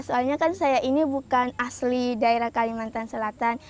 soalnya kan saya ini bukan asli daerah kalimantan selatan